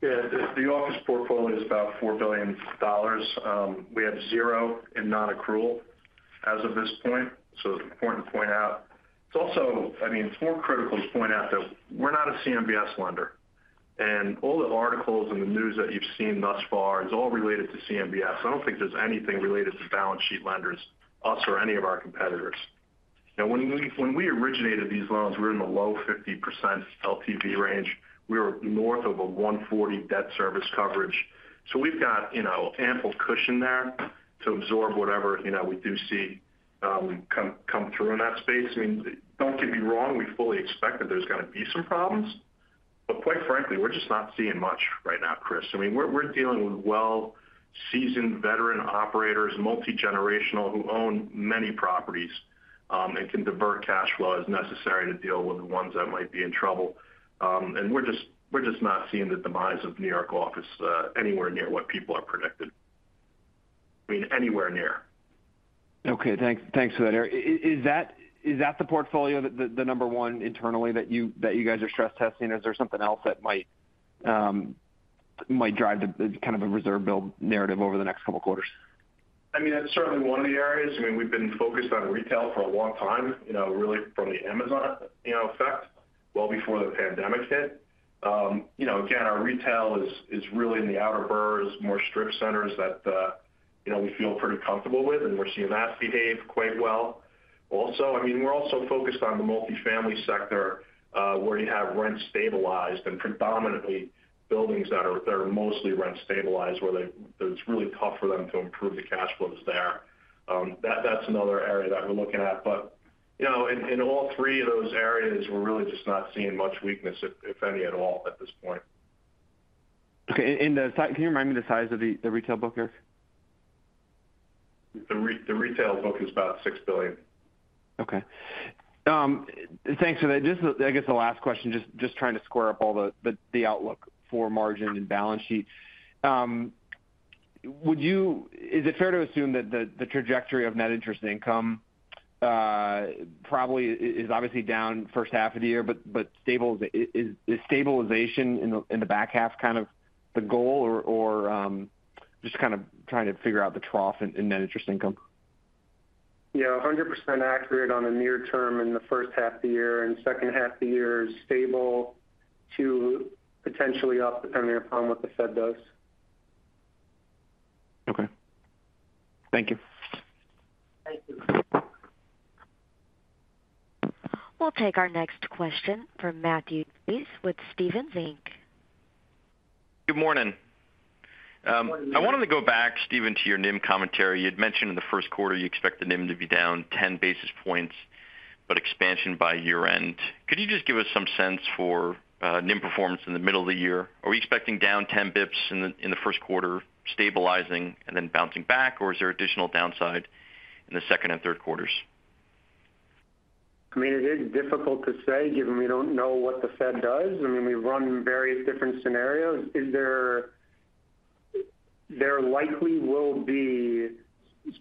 The office portfolio is about $4 billion. We have zero in non-accrual as of this point. It's important to point out. It's also, I mean, it's more critical to point out that we're not a CMBS lender. All the articles in the news that you've seen thus far is all related to CMBS. I don't think there's anything related to balance sheet lenders, us or any of our competitors. When we originated these loans, we're in the low 50% LTV range. We were north of a 140 debt service coverage. We've got, you know, ample cushion there to absorb whatever, you know, we do see come through in that space. I mean, don't get me wrong, we fully expect that there's going to be some problems. Quite frankly, we're just not seeing much right now, Chris. I mean, we're dealing with well-seasoned veteran operators, multi-generational, who own many properties, and can divert cash flow as necessary to deal with the ones that might be in trouble. We're just not seeing the demise of New York office, anywhere near what people have predicted. I mean, anywhere near. Okay. Thanks for that, Eric. Is that the portfolio that the number one internally that you guys are stress testing? Is there something else that might drive the kind of a reserve build narrative over the next two quarters? I mean, that's certainly one of the areas. I mean, we've been focused on retail for a long time, you know, really from the Amazon, you know, effect, well before the pandemic hit. You know, again, our retail is really in the outer boroughs, more strip centers that, you know, we feel pretty comfortable with, and we're seeing that behave quite well. Also, I mean, we're also focused on the multifamily sector, where you have rent stabilized and predominantly buildings that are mostly rent stabilized, where it's really tough for them to improve the cash flows there. That's another area that we're looking at. You know, in all three of those areas, we're really just not seeing much weakness, if any at all, at this point. Okay. Can you remind me the size of the retail book, Eric? The retail book is about $6 billion. Okay. Thanks for that. I guess the last question, just trying to square up all the outlook for margin and balance sheet. Is it fair to assume that the trajectory of net interest income probably is obviously down H1 of the year, but stabilization in the back half kind of the goal? Or, just kind of trying to figure out the trough in net interest income. Yeah, 100% accurate on the near term in the H1 of the year. H2 of the year is stable to potentially up, depending upon what the Fed does. Okay. Thank you. Thank you. We'll take our next question from Matthew Breese with Stephens Inc. Good morning. Good morning. I wanted to go back, Steven, to your NIM commentary. You'd mentioned in the Q1 you expect the NIM to be down 10 basis points, expansion by year-end. Could you just give us some sense for NIM performance in the middle of the year? Are we expecting down 10 basis points in the Q1, stabilizing and then bouncing back, or is there additional downside in the second and Q3s? I mean, it is difficult to say, given we don't know what the Fed does. I mean, we run various different scenarios. There likely will be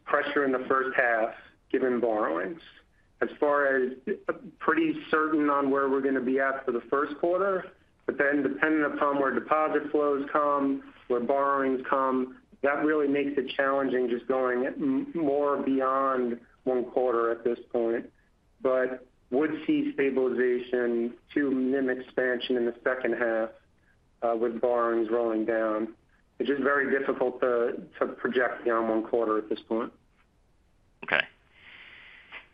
pressure in the H1 given borrowings. As far as pretty certain on where we're going to be at for the Q1. Depending upon where deposit flows come, where borrowings come, that really makes it challenging just going more beyond one quarter at this point. Would see stabilization to NIM expansion in the H2 with borrowings rolling down. It's just very difficult to project beyond one quarter at this point. Okay.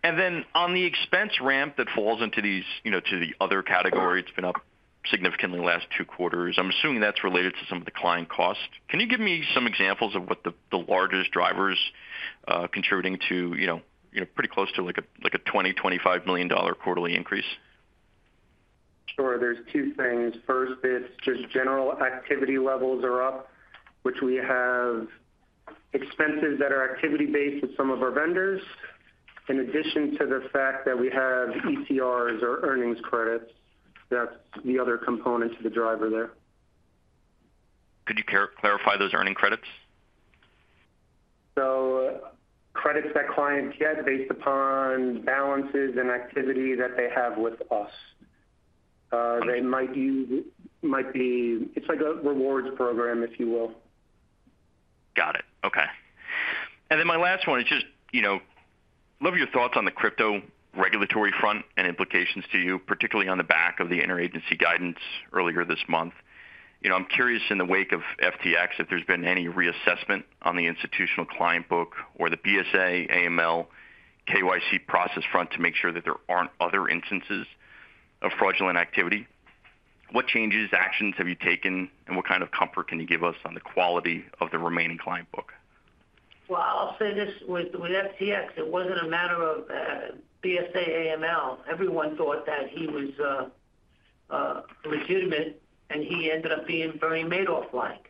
On the expense ramp that falls into these, you know, to the other category, it's been up significantly the last two quarters. I'm assuming that's related to some of the client costs. Can you give me some examples of what the largest drivers, contributing to, you know, pretty close to like a $20 million-$25 million quarterly increase? Sure. There's two things. First is just general activity levels are up, which we have expenses that are activity-based with some of our vendors, in addition to the fact that we have ECRs or earnings credits. That's the other component to the driver there. Could you clarify those earnings credits? Credits that clients get based upon balances and activity that they have with us. They might be like a rewards program, if you will. Got it. Okay. My last one is just, you know, love your thoughts on the crypto regulatory front and implications to you, particularly on the back of the interagency guidance earlier this month. You know, I'm curious in the wake of FTX if there's been any reassessment on the institutional client book or the BSA, AML, KYC process front to make sure that there aren't other instances of fraudulent activity. What changes, actions have you taken, and what kind of comfort can you give us on the quality of the remaining client book? Well, I'll say this with FTX, it wasn't a matter of BSA, AML. Everyone thought that he was legitimate, and he ended up being very Madoff-like.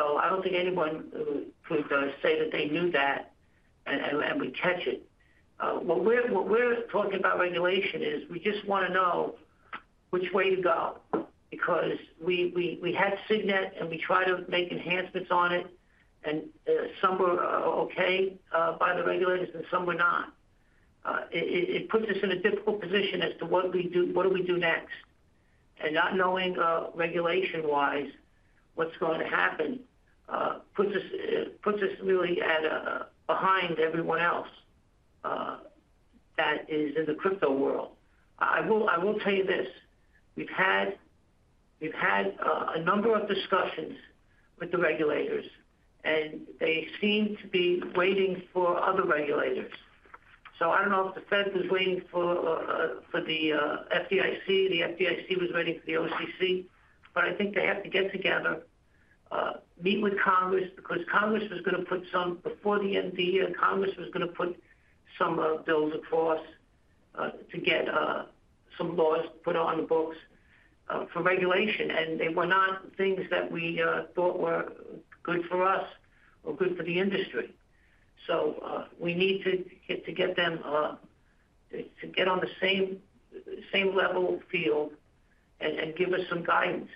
I don't think anyone was gonna say that they knew that and would catch it. What we're talking about regulation is we just wanna know which way to go because we had Signet, and we try to make enhancements on it. Some were okay by the regulators and some were not. It puts us in a difficult position as to what do we do next. Not knowing regulation-wise what's going to happen, puts us really behind everyone else that is in the crypto world. I will tell you this. We've had a number of discussions with the regulators. They seem to be waiting for other regulators. I don't know if the Fed was waiting for the FDIC, the FDIC was waiting for the OCC. I think they have to get together, meet with Congress because Congress was gonna put some before the end of the year. Congress was gonna put some bills across to get some laws put on the books for regulation. They were not things that we thought were good for us or good for the industry. We need to get them to get on the same level field and give us some guidance.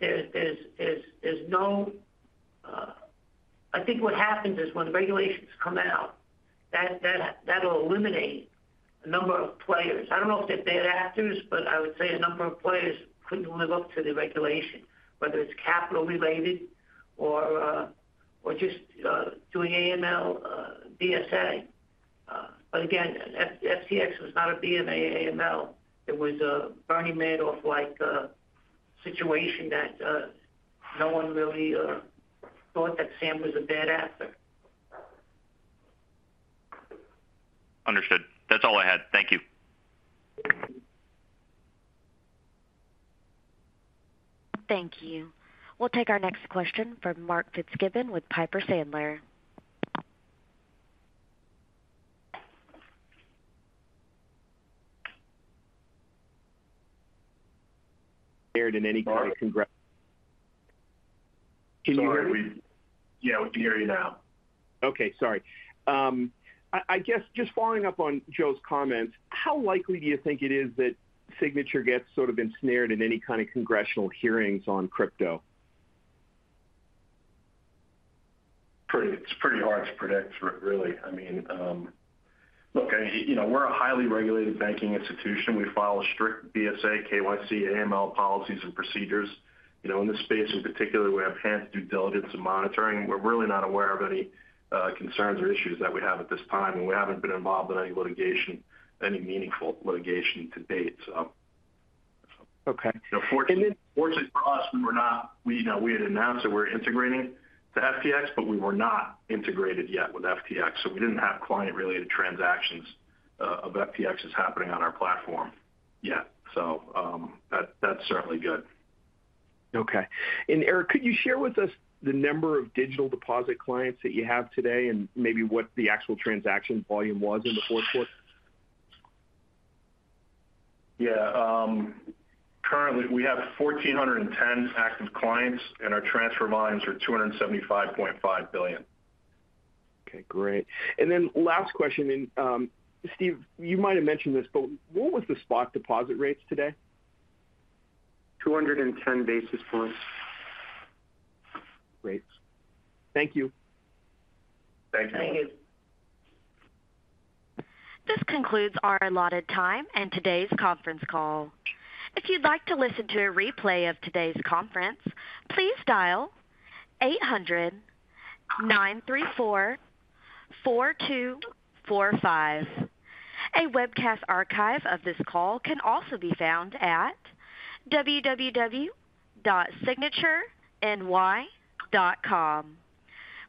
There's no... I think what happens is when the regulations come out, that'll eliminate a number of players. I don't know if they're bad actors, but I would say a number of players couldn't live up to the regulation, whether it's capital related or just doing AML, BSA. Again, FTX was not a BMA AML. It was a Bernie Madoff-like situation that no one really thought that Sam was a bad actor. Understood. That's all I had. Thank you. Thank you. We'll take our next question from Mark Fitzgibbon with Piper Sandler. In any con-congr- Sorry. Can you hear me? Yeah, we can hear you now. Okay. Sorry. I guess just following up on Joe's comments, how likely do you think it is that Signature gets sort of ensnared in any kind of Congressional hearings on crypto? It's pretty hard to predict, really. I mean, look, I, you know, we're a highly regulated banking institution. We follow strict BSA, KYC, AML policies and procedures. You know, in this space in particular, we have enhanced due diligence and monitoring. We're really not aware of any concerns or issues that we have at this time, and we haven't been involved in any litigation, any meaningful litigation to date, so. Okay. You know, fortunately for us, we had announced that we're integrating to FTX, we were not integrated yet with FTX, we didn't have client-related transactions of FTX's happening on our platform yet. That's certainly good. Okay. Eric, could you share with us the number of digital deposit clients that you have today and maybe what the actual transaction volume was in the Q4? Yeah. Currently we have 1,410 active clients, and our transfer volumes are $275.5 billion. Okay, great. Last question. Steve, you might have mentioned this, but what was the spot deposit rates today? 210 basis points. Great. Thank you. Thank you. This concludes our allotted time and today's conference call. If you'd like to listen to a replay of today's conference, please dial 800-934-4245. A webcast archive of this call can also be found at www.signatureny.com.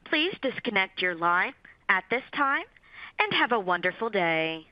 Please disconnect your line at this time, and have a wonderful day.